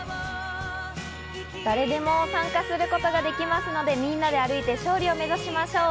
誰でも参加することができますので、みんなで歩いて勝利を目指しましょう。